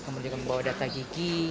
kemudian membawa data gigi